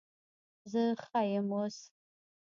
زه ښه یم اوس